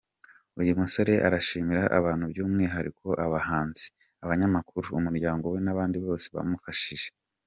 Uyu musore arashimira abantu by’umwihariko abahanzi, abanyamakuru, umuryango we n’abandi bose bamufashije.